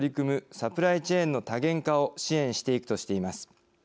サプライチェーンの多元化を支援していくとしています。